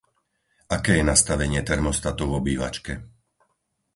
Aké je nastavenie termostatu v obývačke?